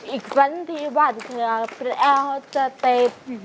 อีกวันที่วันเธอเป็นแอร์ฮอตเตศ